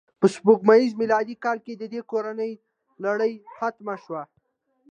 په سپوږمیز میلادي کال کې د دې کورنۍ لړۍ ختمه شوه.